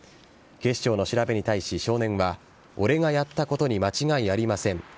警視庁の調べに対し、少年は、俺がやったことに間違いありません。